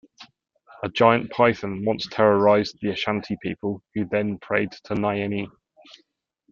A giant python once terrorised the Ashanti people, who then prayed to Nyame.